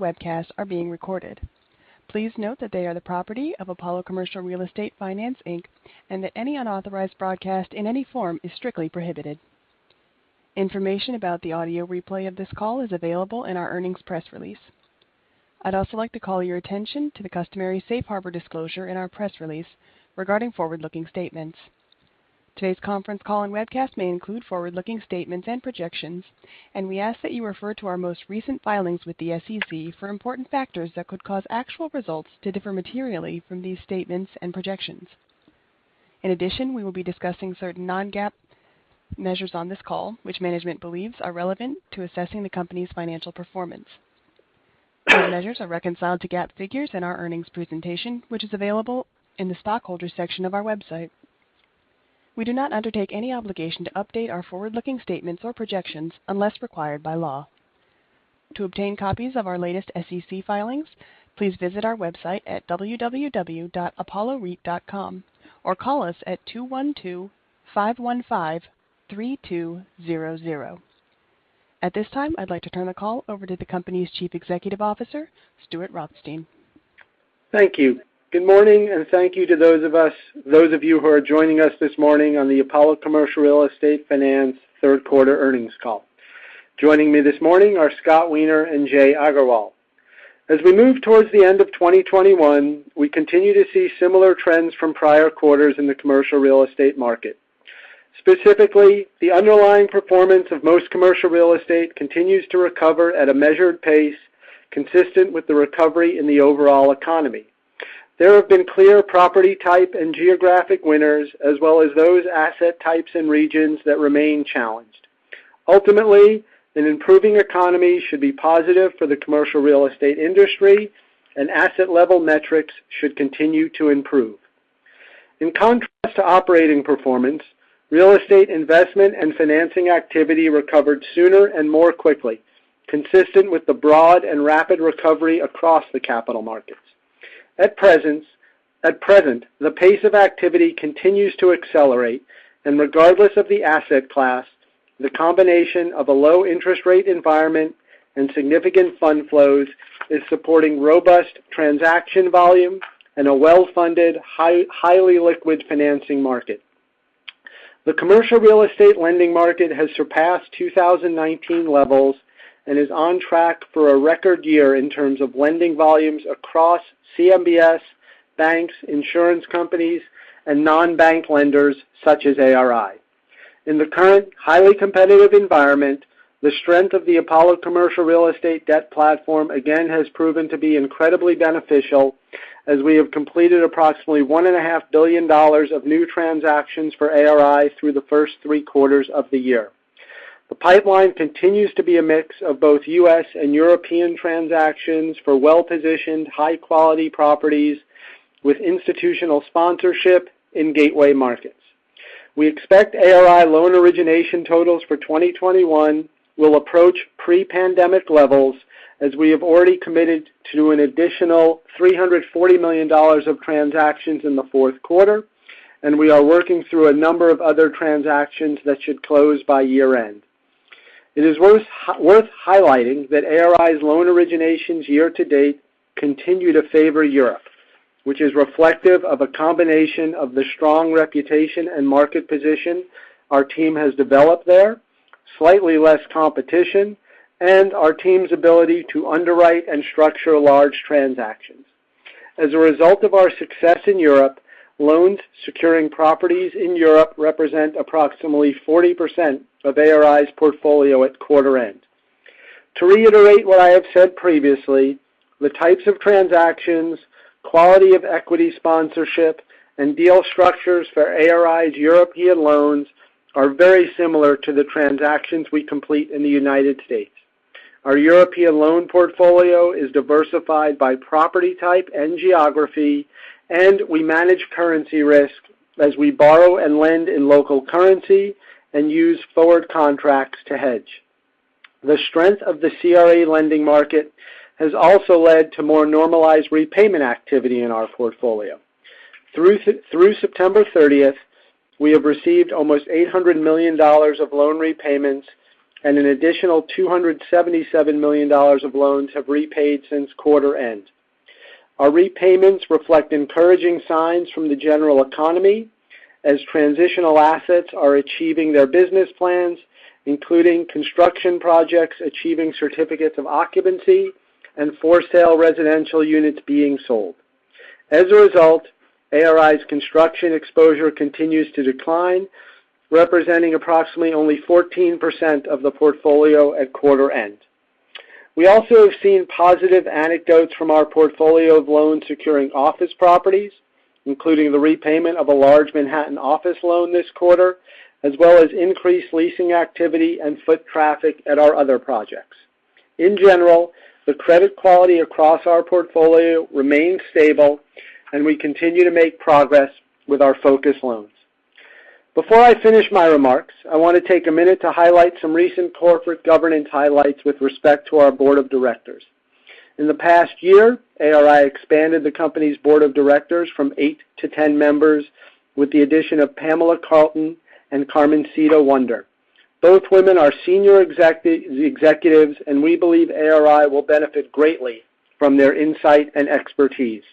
Webcasts are being recorded. Please note that they are the property of Apollo Commercial Real Estate Finance, Inc. and that any unauthorized broadcast in any form is strictly prohibited. Information about the audio replay of this call is available in our earnings press release. I'd also like to call your attention to the customary safe harbor disclosure in our press release regarding forward-looking statements. Today's conference call and webcast may include forward-looking statements and projections, and we ask that you refer to our most recent filings with the SEC for important factors that could cause actual results to differ materially from these statements and projections. In addition, we will be discussing certain non-GAAP measures on this call, which management believes are relevant to assessing the company's financial performance. These measures are reconciled to GAAP figures in our earnings presentation, which is available in the Shareholders section of our website. We do not undertake any obligation to update our forward-looking statements or projections unless required by law. To obtain copies of our latest SEC filings, please visit our website at www.apolloreit.com or call us at 212-515-3200. At this time, I'd like to turn the call over to the company's Chief Executive Officer, Stuart Rothstein. Thank you. Good morning, and thank you to those of you who are joining us this morning on the Apollo Commercial Real Estate Finance third quarter earnings call. Joining me this morning are Scott Weiner and Jai Agarwal. As we move towards the end of 2021, we continue to see similar trends from prior quarters in the commercial real estate market. Specifically, the underlying performance of most commercial real estate continues to recover at a measured pace consistent with the recovery in the overall economy. There have been clear property type and geographic winners, as well as those asset types and regions that remain challenged. Ultimately, an improving economy should be positive for the commercial real estate industry and asset level metrics should continue to improve. In contrast to operating performance, real estate investment and financing activity recovered sooner and more quickly, consistent with the broad and rapid recovery across the capital markets. At present, the pace of activity continues to accelerate, and regardless of the asset class, the combination of a low interest rate environment and significant fund flows is supporting robust transaction volume and a well-funded, highly liquid financing market. The commercial real estate lending market has surpassed 2019 levels and is on track for a record year in terms of lending volumes across CMBS, banks, insurance companies, and non-bank lenders such as ARI. In the current highly competitive environment, the strength of the Apollo commercial real estate debt platform again has proven to be incredibly beneficial, as we have completed approximately $1.5 billion of new transactions for ARI through the first three quarters of the year. The pipeline continues to be a mix of both U.S. and European transactions for well-positioned, high-quality properties with institutional sponsorship in gateway markets. We expect ARI loan origination totals for 2021 will approach pre-pandemic levels as we have already committed to an additional $340 million of transactions in the fourth quarter, and we are working through a number of other transactions that should close by year-end. It is worth highlighting that ARI's loan originations year-to-date continue to favor Europe, which is reflective of a combination of the strong reputation and market position our team has developed there, slightly less competition, and our team's ability to underwrite and structure large transactions. As a result of our success in Europe, loans securing properties in Europe represent approximately 40% of ARI's portfolio at quarter end. To reiterate what I have said previously, the types of transactions, quality of equity sponsorship, and deal structures for ARI's European loans are very similar to the transactions we complete in the United States. Our European loan portfolio is diversified by property type and geography, and we manage currency risk as we borrow and lend in local currency and use forward contracts to hedge. The strength of the CRE lending market has also led to more normalized repayment activity in our portfolio. Through September 30, we have received almost $800 million of loan repayments and an additional $277 million of loans have repaid since quarter end. Our repayments reflect encouraging signs from the general economy as transitional assets are achieving their business plans, including construction projects achieving certificates of occupancy and for-sale residential units being sold. As a result, ARI's construction exposure continues to decline, representing approximately only 14% of the portfolio at quarter end. We also have seen positive anecdotes from our portfolio of loans securing office properties, including the repayment of a large Manhattan office loan this quarter, as well as increased leasing activity and foot traffic at our other projects. In general, the credit quality across our portfolio remains stable, and we continue to make progress with our focus loans. Before I finish my remarks, I want to take a minute to highlight some recent corporate governance highlights with respect to our board of directors. In the past year, ARI expanded the company's board of directors from 8 to 10 members with the addition of Pamela Carlton and Carmencita Whonder. Both women are senior executives, and we believe ARI will benefit greatly from their insight and expertise.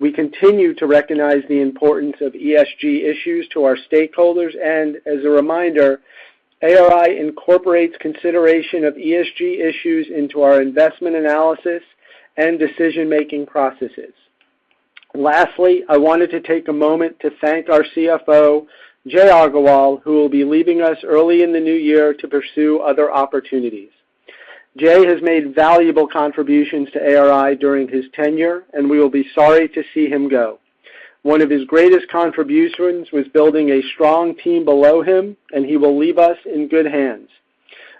We continue to recognize the importance of ESG issues to our stakeholders. As a reminder, ARI incorporates consideration of ESG issues into our investment analysis and decision-making processes. Lastly, I wanted to take a moment to thank our CFO, Jai Agarwal, who will be leaving us early in the new year to pursue other opportunities. Jai has made valuable contributions to ARI during his tenure, and we will be sorry to see him go. One of his greatest contributions was building a strong team below him, and he will leave us in good hands.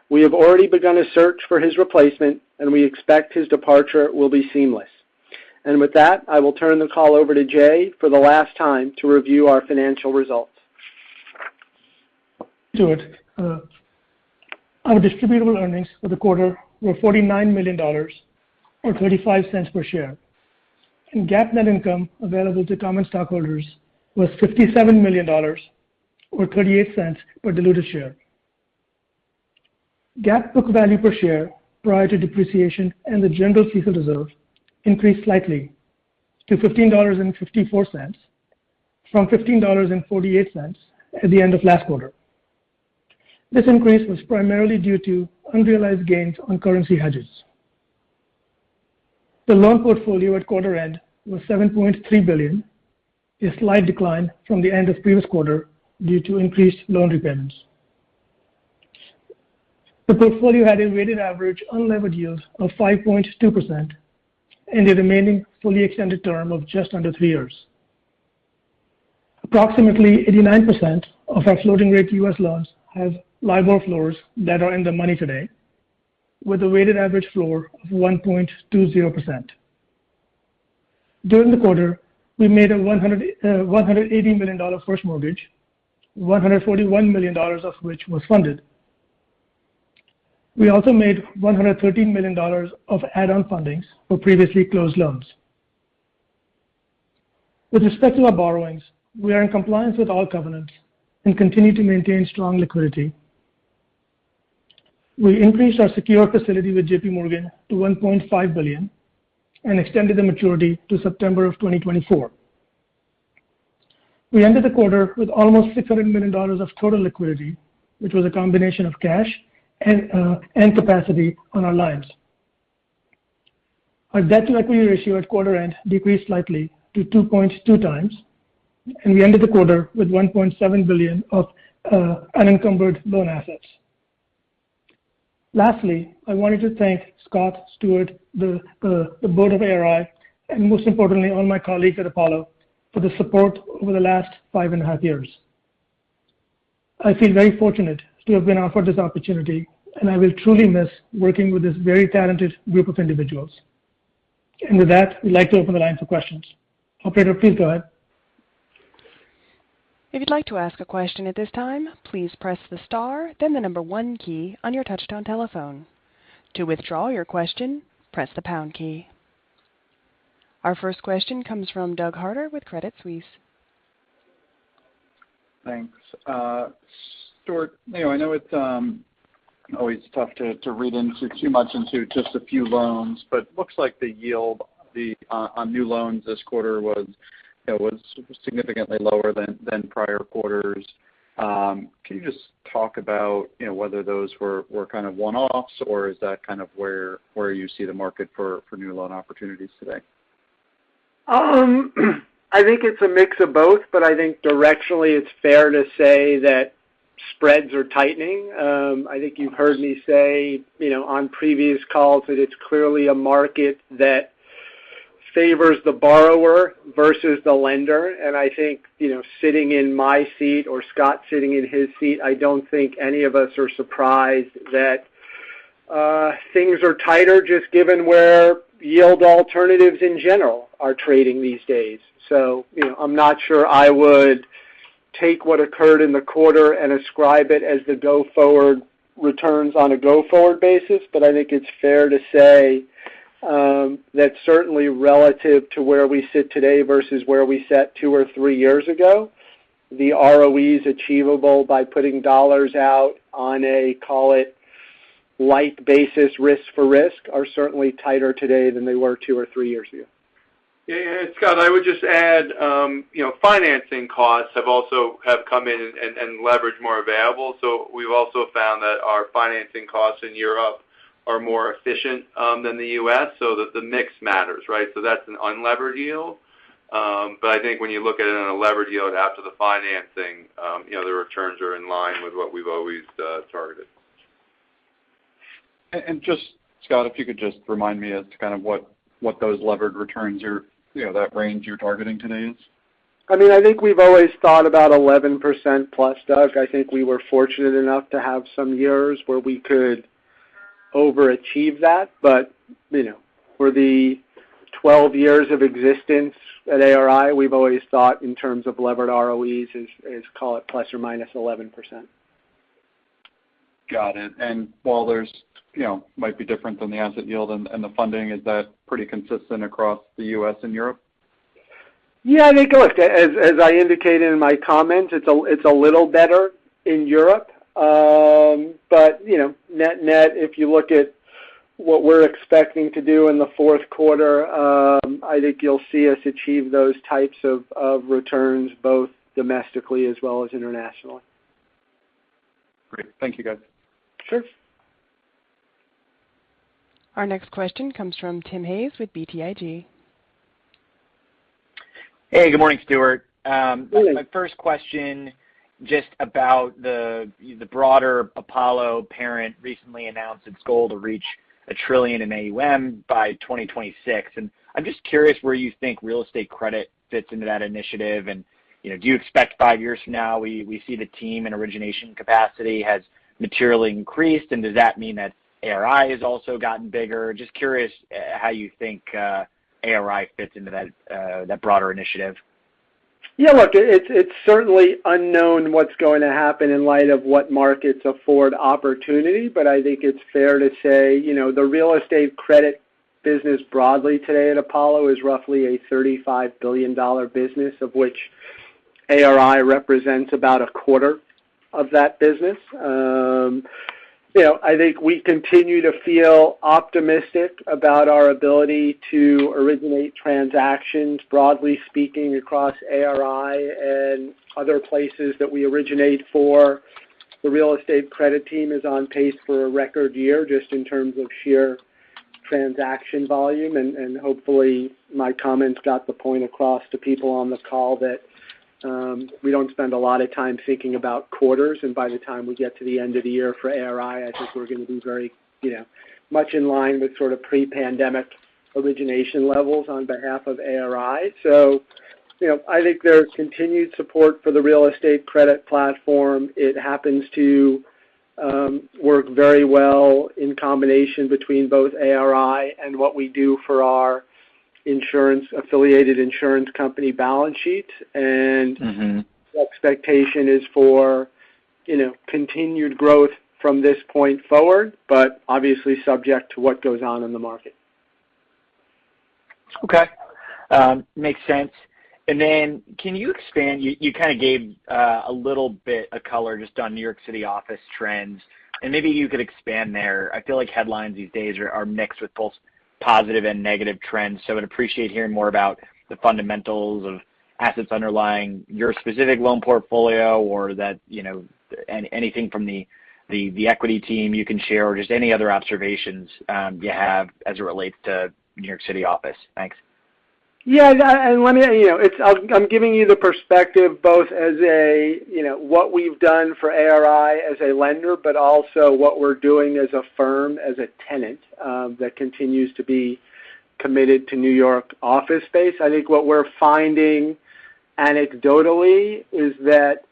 We have already begun a search for his replacement, and we expect his departure will be seamless. With that, I will turn the call over to Jai for the last time to review our financial results. Stuart, our distributable earnings for the quarter were $49 million or $0.35 per share. GAAP net income available to common stockholders was $57 million or $0.38 per diluted share. GAAP book value per share prior to depreciation and the general CECL reserve increased slightly to $15.54 from $15.48 at the end of last quarter. This increase was primarily due to unrealized gains on currency hedges. The loan portfolio at quarter end was $7.3 billion, a slight decline from the end of previous quarter due to increased loan repayments. The portfolio had a weighted average unlevered yield of 5.2% and a remaining fully extended term of just under three years. Approximately 89% of our floating-rate U.S. loans have LIBOR floors that are in the money today with a weighted average floor of 1.20%. During the quarter, we made a $180 million first mortgage, $141 million of which was funded. We also made $113 million of add-on fundings for previously closed loans. With respect to our borrowings, we are in compliance with all covenants and continue to maintain strong liquidity. We increased our secured facility with JPMorgan to $1.5 billion and extended the maturity to September 2024. We ended the quarter with almost $600 million of total liquidity, which was a combination of cash and capacity on our lines. Our debt-to-equity ratio at quarter end decreased slightly to 2.2 times, and we ended the quarter with $1.7 billion of unencumbered loan assets. Lastly, I wanted to thank Scott, Stuart, the board of ARI, and most importantly, all my colleagues at Apollo for the support over the last five and a half years. I feel very fortunate to have been offered this opportunity, and I will truly miss working with this very talented group of individuals. With that, we'd like to open the line for questions. Operator, please go ahead. If you'd like to ask a question at this time, please press the star, then the number one key on your touchtone telephone. To withdraw your question, press the pound key. Our first question comes from Douglas Harter with Credit Suisse. Thanks. Stuart, you know, I know it's always tough to read too much into just a few loans, but looks like the yield on new loans this quarter was significantly lower than prior quarters. Can you just talk about, you know, whether those were kind of one-offs, or is that kind of where you see the market for new loan opportunities today? I think it's a mix of both, but I think directionally it's fair to say that spreads are tightening. I think you've heard me say, you know, on previous calls that it's clearly a market that favors the borrower versus the lender. I think, you know, sitting in my seat or Scott sitting in his seat, I don't think any of us are surprised that things are tighter just given where yield alternatives in general are trading these days. You know, I'm not sure I would take what occurred in the quarter and ascribe it as the go-forward returns on a go-forward basis. I think it's fair to say that certainly relative to where we sit today versus where we sat two or three years ago, the ROEs achievable by putting dollars out on a, call it, light basis risk for risk are certainly tighter today than they were two or three years ago. Yeah. Stuart, I would just add, you know, financing costs have also come in and leverage more available. We've also found that our financing costs in Europe are more efficient than the U.S. so that the mix matters, right? That's an unlevered yield. I think when you look at it on a levered yield after the financing, you know, the returns are in line with what we've always targeted. Just, Stuart, if you could just remind me as to kind of what those levered returns are, you know, that range you're targeting today is. I mean, I think we've always thought about +11%, Doug. I think we were fortunate enough to have some years where we could overachieve that. You know, for the 12 years of existence at ARI, we've always thought in terms of levered ROEs is call it ±11%. Got it. While there's, you know, might be different than the asset yield and the funding, is that pretty consistent across the U.S. and Europe? Yeah, I think, look, as I indicated in my comments, it's a little better in Europe. You know, net-net, if you look at what we're expecting to do in the fourth quarter, I think you'll see us achieve those types of returns both domestically as well as internationally. Great. Thank you guys. Sure. Our next question comes from Tim Hayes with BTIG. Hey, good morning, Stuart. Hey. My first question just about the broader Apollo parent recently announced its goal to reach a trillion in AUM by 2026. I'm just curious where you think real estate credit fits into that initiative. You know, do you expect five years from now we see the team and origination capacity has materially increased, and does that mean that ARI has also gotten bigger? Just curious, how you think ARI fits into that broader initiative. Yeah, look, it's certainly unknown what's going to happen in light of what markets afford opportunity, but I think it's fair to say, you know, the real estate credit business broadly today at Apollo is roughly a $35 billion business, of which ARI represents about a quarter of that business. You know, I think we continue to feel optimistic about our ability to originate transactions, broadly speaking, across ARI and other places that we originate for. The real estate credit team is on pace for a record year just in terms of sheer transaction volume. Hopefully my comments got the point across to people on the call that we don't spend a lot of time thinking about quarters. By the time we get to the end of the year for ARI, I think we're gonna be very, you know, much in line with sort of pre-pandemic origination levels on behalf of ARI. You know, I think there's continued support for the real estate credit platform. It happens to work very well in combination between both ARI and what we do for our insurance-affiliated insurance company balance sheets. The expectation is for, you know, continued growth from this point forward, but obviously subject to what goes on in the market. Okay. Makes sense. Can you expand. You kind of gave a little bit of color just on New York City office trends, and maybe you could expand there. I feel like headlines these days are mixed with both positive and negative trends. I would appreciate hearing more about the fundamentals of assets underlying your specific loan portfolio or that, you know, anything from the equity team you can share or just any other observations you have as it relates to New York City office. Thanks. Yeah. Let me, you know, I'm giving you the perspective both as a, you know, what we've done for ARI as a lender, but also what we're doing as a firm, as a tenant that continues to be committed to New York office space. I think what we're finding anecdotally is that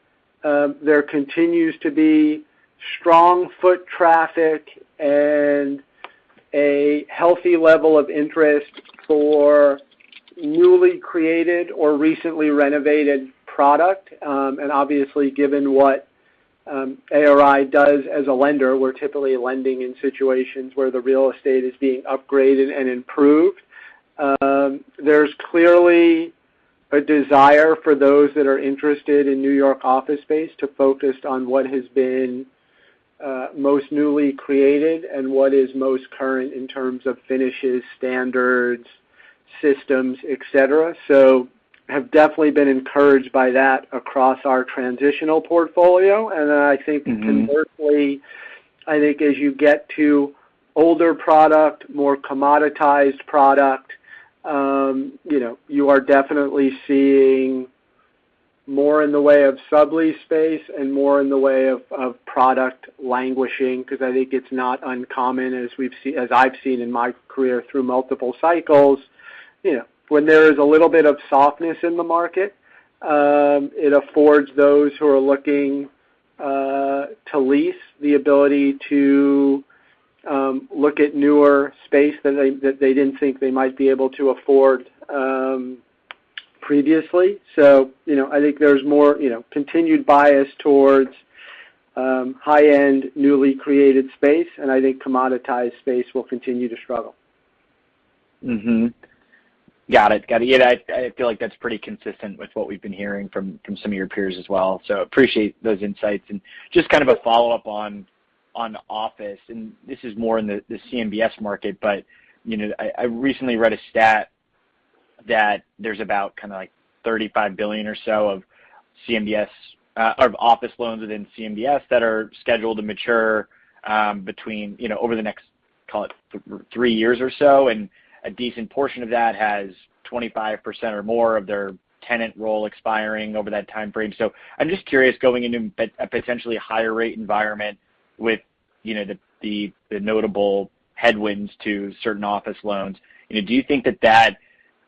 there continues to be strong foot traffic and a healthy level of interest for newly created or recently renovated product. Obviously, given what ARI does as a lender, we're typically lending in situations where the real estate is being upgraded and improved. There's clearly a desire for those that are interested in New York office space to focus on what has been most newly created and what is most current in terms of finishes, standards, systems, et cetera. Have definitely been encouraged by that across our transitional portfolio. I think conversely, I think as you get to older product, more commoditized product, you know, you are definitely seeing more in the way of sublease space and more in the way of product languishing, because I think it's not uncommon, as I've seen in my career through multiple cycles. You know, when there is a little bit of softness in the market, it affords those who are looking to lease the ability to look at newer space that they didn't think they might be able to afford, previously. You know, I think there's more, you know, continued bias towards high-end, newly created space, and I think commoditized space will continue to struggle. Got it. Yeah, I feel like that's pretty consistent with what we've been hearing from some of your peers as well. So appreciate those insights. Just kind of a follow-up on office, and this is more in the CMBS market, but you know, I recently read a stat that there's about kind of like $35 billion or so of CMBS of office loans within CMBS that are scheduled to mature between you know, over the next, call it three years or so. A decent portion of that has 25% or more of their tenant roll expiring over that timeframe. I'm just curious, going into a potentially higher rate environment with, you know, the notable headwinds to certain office loans, you know, do you think that that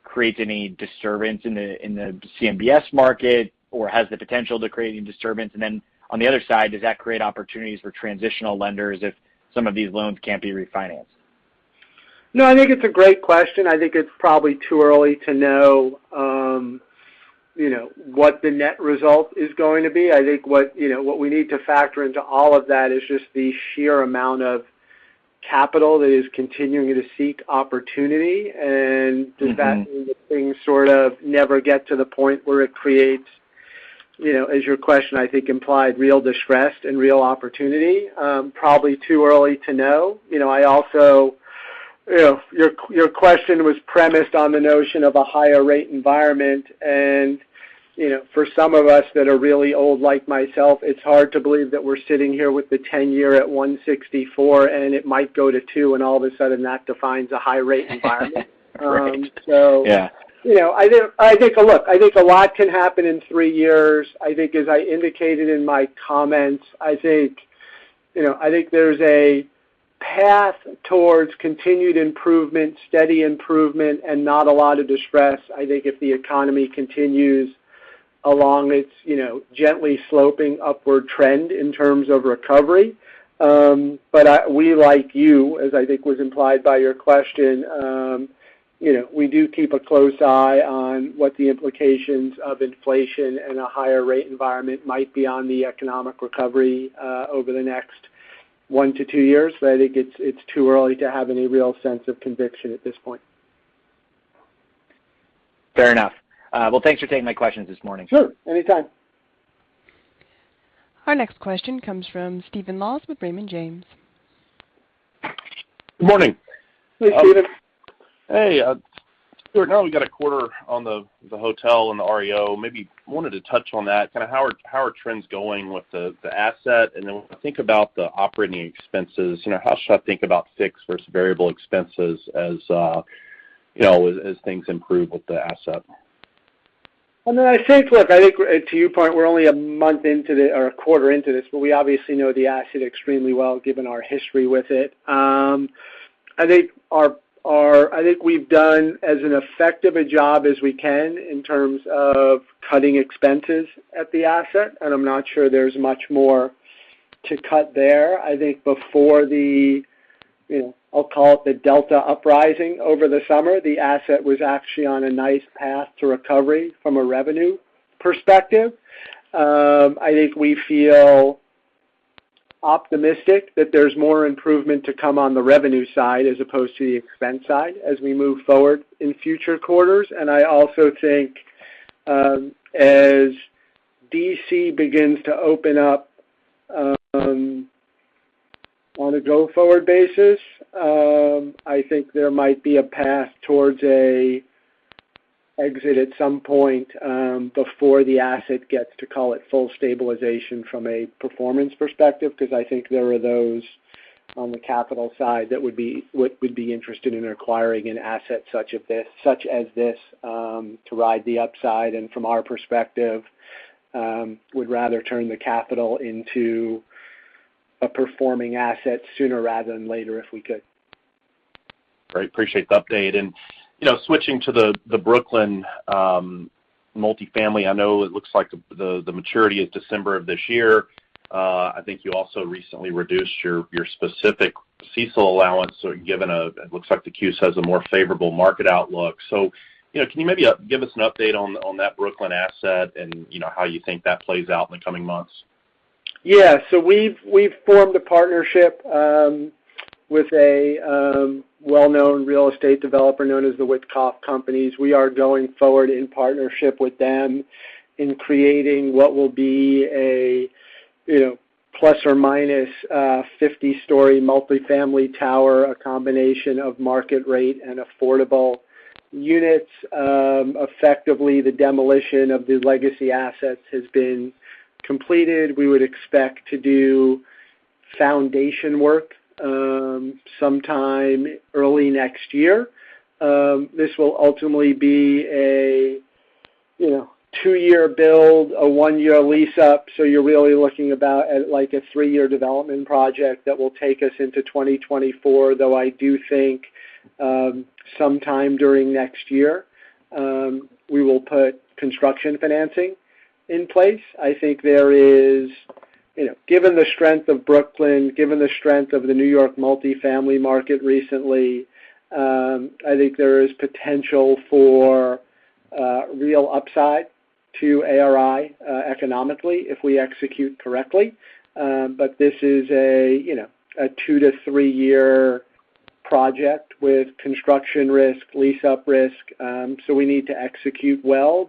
creates any disturbance in the CMBS market or has the potential to create any disturbance? On the other side, does that create opportunities for transitional lenders if some of these loans can't be refinanced? No, I think it's a great question. I think it's probably too early to know, you know, what the net result is going to be. I think, you know, what we need to factor into all of that is just the sheer amount of capital that is continuing to seek opportunity. Does that mean that things sort of never get to the point where it creates, you know, as your question I think implied, real distress and real opportunity? Probably too early to know. You know, I also, you know, your question was premised on the notion of a higher rate environment and, you know, for some of us that are really old, like myself, it's hard to believe that we're sitting here with the 10-year at 1.64, and it might go to two, and all of a sudden that defines a high rate environment. Right. Yeah. You know, I think. Look, I think a lot can happen in three years. I think as I indicated in my comments, you know, I think there's a path towards continued improvement, steady improvement, and not a lot of distress, I think if the economy continues along its, you know, gently sloping upward trend in terms of recovery. We like you, as I think was implied by your question, you know, we do keep a close eye on what the implications of inflation and a higher rate environment might be on the economic recovery over the next one to two years. I think it's too early to have any real sense of conviction at this point. Fair enough. Well, thanks for taking my questions this morning. Sure. Anytime. Our next question comes from Stephen Laws with Raymond James. Good morning. Hey, Stephen. Hey. Now we got a quarter on the hotel and the REO. Maybe wanted to touch on that, kind of how are trends going with the asset? And then when we think about the operating expenses, you know, how should I think about fixed versus variable expenses as you know, as things improve with the asset? I mean, I'd say, look, I think to your point, we're only a month into this or a quarter into this, but we obviously know the asset extremely well, given our history with it. I think our I think we've done as an effective a job as we can in terms of cutting expenses at the asset, and I'm not sure there's much more to cut there. I think before the, you know, I'll call it the Delta uprising over the summer, the asset was actually on a nice path to recovery from a revenue perspective. I think we feel optimistic that there's more improvement to come on the revenue side as opposed to the expense side as we move forward in future quarters. I also think, as D.C. begins to open up, on a go-forward basis, I think there might be a path towards an exit at some point, before the asset gets to what we call full stabilization from a performance perspective. Because I think there are those on the capital side that would be interested in acquiring an asset such as this to ride the upside. From our perspective, we would rather turn the capital into a performing asset sooner rather than later, if we could. Great. Appreciate the update. You know, switching to the Brooklyn multifamily, I know it looks like the maturity is December of this year. I think you also recently reduced your specific CECL allowance, given it looks like the consensus has a more favorable market outlook. You know, can you maybe give us an update on that Brooklyn asset and how you think that plays out in the coming months? Yeah. We've formed a partnership with a well-known real estate developer known as the Witkoff Group. We are going forward in partnership with them in creating what will be a, you know, ±50-story multifamily tower, a combination of market rate and affordable units. Effectively, the demolition of the legacy assets has been completed. We would expect to do foundation work sometime early next year. This will ultimately be a, you know, two year build, a one year lease-up, so you're really looking about at like a three year development project that will take us into 2024, though I do think sometime during next year we will put construction financing in place. I think there is. You know, given the strength of Brooklyn, given the strength of the New York multifamily market recently, I think there is potential for real upside to ARI economically if we execute correctly. This is a you know a two years to three year project with construction risk, lease-up risk. We need to execute well.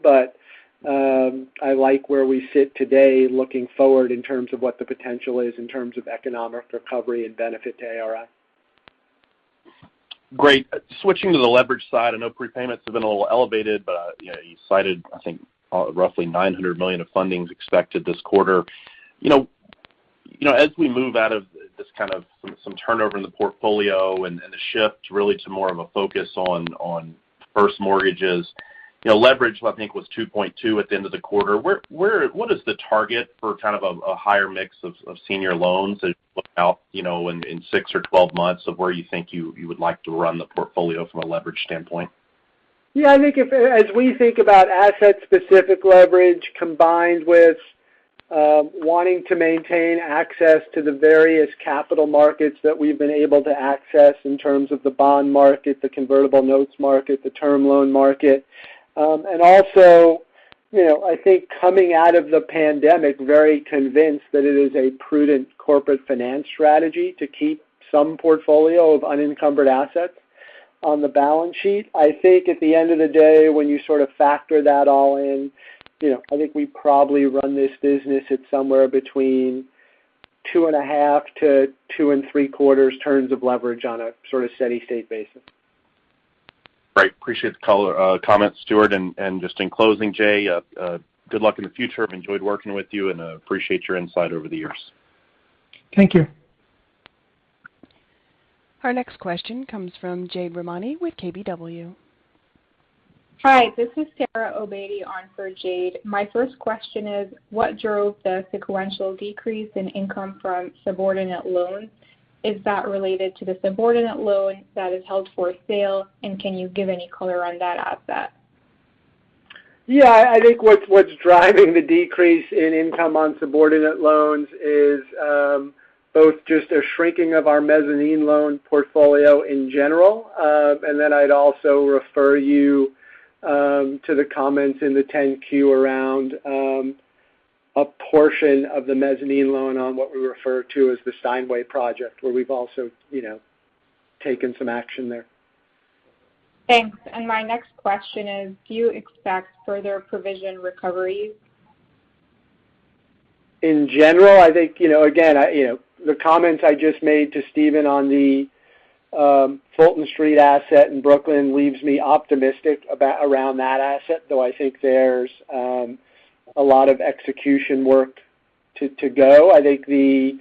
I like where we sit today looking forward in terms of what the potential is in terms of economic recovery and benefit to ARI. Great. Switching to the leverage side, I know prepayments have been a little elevated, but, you know, you cited, I think, roughly $900 million of fundings expected this quarter. You know, as we move out of this kind of some turnover in the portfolio and the shift really to more of a focus on first mortgages, you know, leverage I think was 2.2 at the end of the quarter. Where what is the target for kind of a higher mix of senior loans as you look out, you know, in 6 months - 12 months of where you think you would like to run the portfolio from a leverage standpoint? Yeah, I think as we think about asset-specific leverage combined with wanting to maintain access to the various capital markets that we've been able to access in terms of the bond market, the convertible notes market, the term loan market. And also, you know, I think coming out of the pandemic very convinced that it is a prudent corporate finance strategy to keep some portfolio of unencumbered assets on the balance sheet. I think at the end of the day, when you sort of factor that all in, you know, I think we probably run this business at somewhere between 2.5-2.75 turns of leverage on a sort of steady-state basis. Right. Appreciate the color, comment, Stuart. Just in closing, Jai, good luck in the future. I've enjoyed working with you, and I appreciate your insight over the years. Thank you. Our next question comes from Jade Rahmani with KBW. Hi, this is Sarah Obeidy on for Jade. My first question is what drove the sequential decrease in income from subordinate loans? Is that related to the subordinate loan that is held for sale, and can you give any color on that asset? Yeah. I think what's driving the decrease in income on subordinate loans is both just a shrinking of our mezzanine loan portfolio in general. I'd also refer you to the comments in the 10-Q around a portion of the mezzanine loan on what we refer to as the Steinway project, where we've also taken some action there. Thanks. My next question is, do you expect further provision recoveries? In general, I think, you know, again, you know, the comments I just made to Stephen on the Fulton Street asset in Brooklyn leaves me optimistic about around that asset, though I think there's a lot of execution work to go. I think the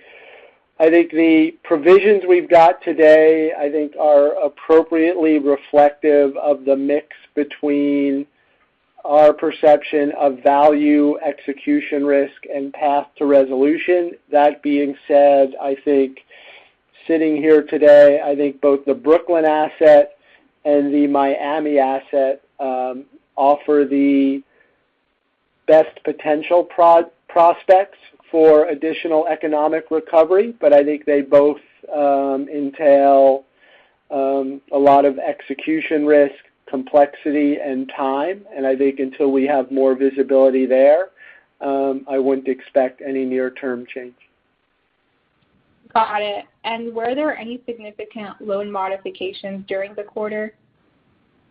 provisions we've got today, I think, are appropriately reflective of the mix between our perception of value, execution risk, and path to resolution. That being said, I think sitting here today, I think both the Brooklyn asset and the Miami asset offer the best potential prospects for additional economic recovery. I think they both entail a lot of execution risk, complexity, and time. I think until we have more visibility there, I wouldn't expect any near-term change. Got it. Were there any significant loan modifications during the quarter?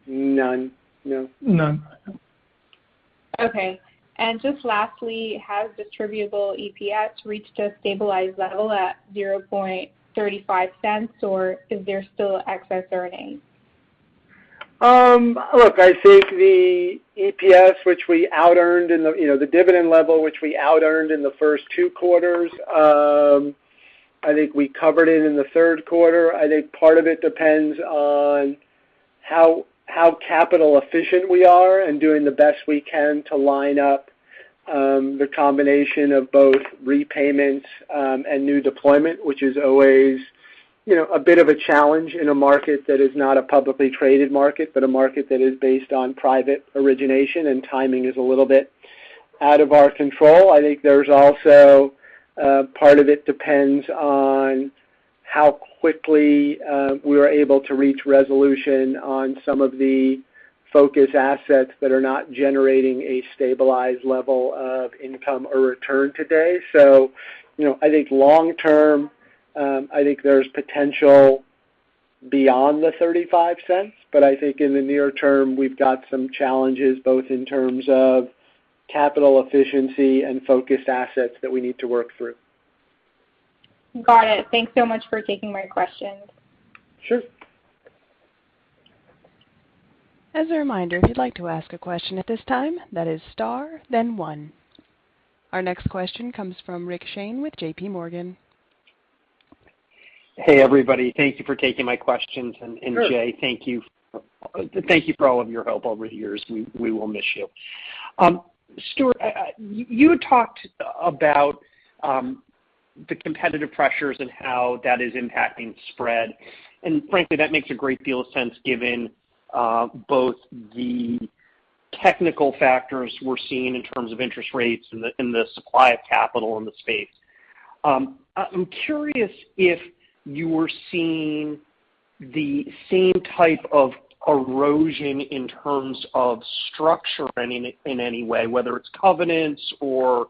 None. No. None. Okay. Just lastly, has distributable EPS reached a stabilized level at $0.35, or is there still excess earnings? Look, I think the EPS which we outearned in the, you know, the dividend level which we outearned in the first two quarters, I think we covered it in the third quarter. I think part of it depends on how capital efficient we are and doing the best we can to line up the combination of both repayments and new deployment, which is always, you know, a bit of a challenge in a market that is not a publicly traded market but a market that is based on private origination, and timing is a little bit out of our control. I think there's also part of it depends on how quickly we are able to reach resolution on some of the focus assets that are not generating a stabilized level of income or return today. You know, I think long term, I think there's potential beyond the $0.35, but I think in the near term, we've got some challenges both in terms of capital efficiency and foreclosed assets that we need to work through. Got it. Thanks so much for taking my questions. Sure. As a reminder, if you'd like to ask a question at this time, that is star then one. Our next question comes from Richard Shane with JPMorgan. Hey, everybody. Thank you for taking my questions. Sure. Jai, thank you. Thank you for all of your help over the years. We will miss you. Stuart, you talked about the competitive pressures and how that is impacting spread, and frankly, that makes a great deal of sense given both the technical factors we're seeing in terms of interest rates and the supply of capital in the space. I'm curious if you're seeing the same type of erosion in terms of structure in any way, whether it's covenants or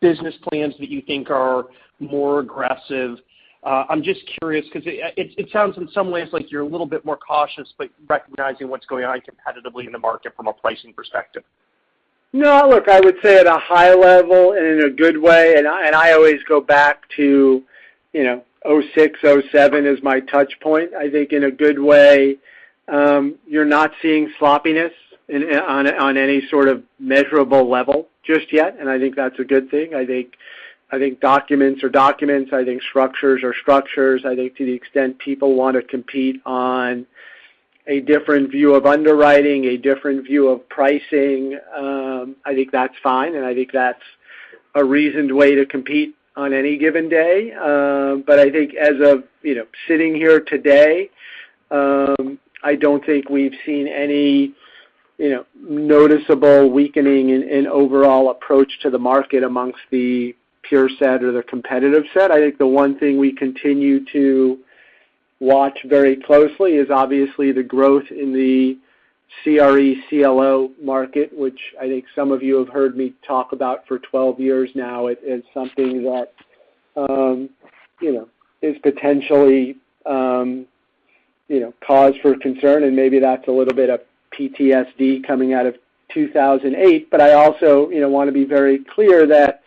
business plans that you think are more aggressive. I'm just curious because it sounds in some ways like you're a little bit more cautious, but recognizing what's going on competitively in the market from a pricing perspective. No. Look, I would say at a high level and in a good way, and I always go back to, you know, 2006, 2007 as my touch point. I think in a good way, you're not seeing sloppiness in on any sort of measurable level just yet, and I think that's a good thing. I think documents are documents. I think structures are structures. I think to the extent people want to compete on a different view of underwriting, a different view of pricing, I think that's fine, and I think that's a reasoned way to compete on any given day. I think as of, you know, sitting here today, I don't think we've seen any, you know, noticeable weakening in overall approach to the market among the peer set or the competitive set. I think the one thing we continue to watch very closely is obviously the growth in the CRE CLO market, which I think some of you have heard me talk about for 12 years now. It is something that, you know, is potentially, you know, cause for concern, and maybe that's a little bit of PTSD coming out of 2008. I also, you know, want to be very clear that,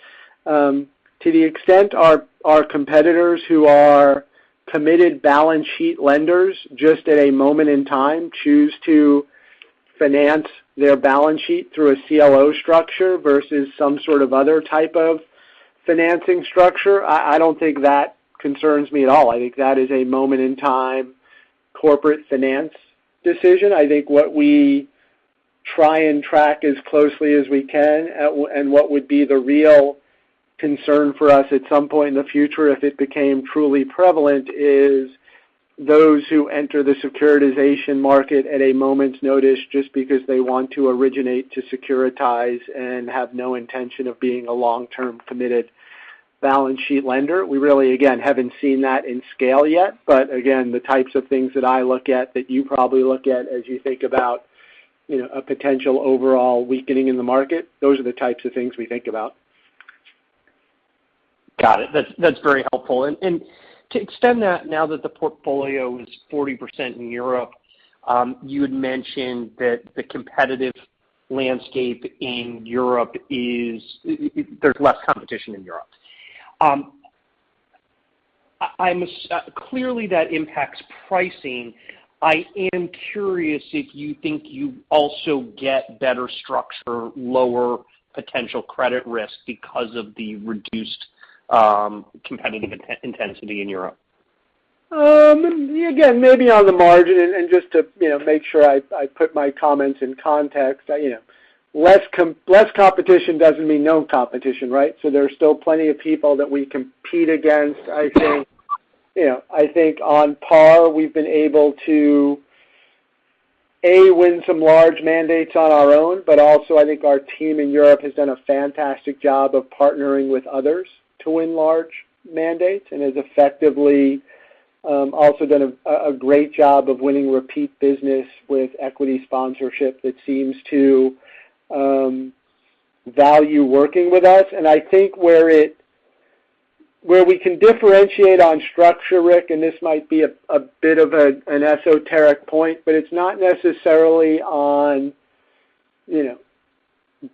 to the extent our competitors who are committed balance sheet lenders, just at a moment in time, choose to finance their balance sheet through a CLO structure versus some sort of other type of financing structure. I don't think that concerns me at all. I think that is a moment in time corporate finance decision. I think what we try and track as closely as we can and what would be the real concern for us at some point in the future if it became truly prevalent, is those who enter the securitization market at a moment's notice just because they want to originate to securitize and have no intention of being a long-term, committed balance sheet lender. We really, again, haven't seen that in scale yet, but again, the types of things that I look at, that you probably look at as you think about, you know, a potential overall weakening in the market, those are the types of things we think about. Got it. That's very helpful. To extend that, now that the portfolio is 40% in Europe, you had mentioned that the competitive landscape in Europe. There's less competition in Europe. Clearly, that impacts pricing. I am curious if you think you also get better structure, lower potential credit risk because of the reduced competitive intensity in Europe. Again, maybe on the margin and just to, you know, make sure I put my comments in context. You know, less competition doesn't mean no competition, right? There are still plenty of people that we compete against. I think, you know, I think on par, we've been able to, A, win some large mandates on our own, but also I think our team in Europe has done a fantastic job of partnering with others to win large mandates and has effectively also done a great job of winning repeat business with equity sponsorship that seems to value working with us. I think where we can differentiate on structure, Rick, and this might be a bit of an esoteric point, but it's not necessarily on, you know,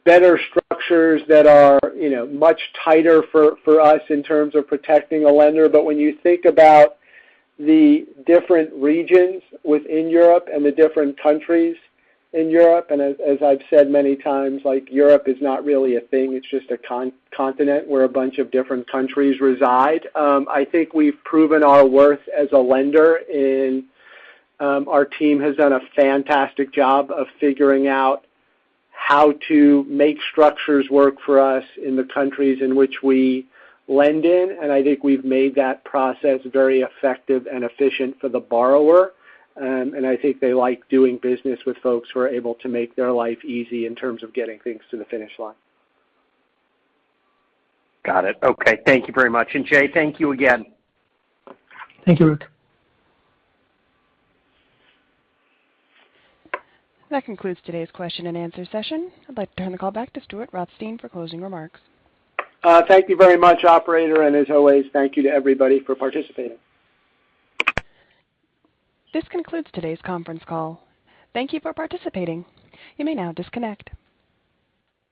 better structures that are, you know, much tighter for us in terms of protecting a lender. When you think about the different regions within Europe and the different countries in Europe, and as I've said many times, like Europe is not really a thing. It's just a continent where a bunch of different countries reside. I think we've proven our worth as a lender, and our team has done a fantastic job of figuring out how to make structures work for us in the countries in which we lend in. I think we've made that process very effective and efficient for the borrower. I think they like doing business with folks who are able to make their life easy in terms of getting things to the finish line. Got it. Okay. Thank you very much. Jai, thank you again. Thank you, Rich. That concludes today's question and answer session. I'd like to turn the call back to Stuart Rothstein for closing remarks. Thank you very much, operator. As always, thank you to everybody for participating. This concludes today's conference call. Thank you for participating. You may now disconnect.